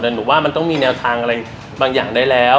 แต่หนูว่ามันต้องมีแนวทางอะไรบางอย่างได้แล้ว